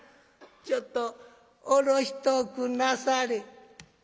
「ちょっと下ろしとくんなされ」。